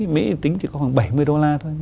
mỹ tính chỉ có khoảng bảy mươi đô la thôi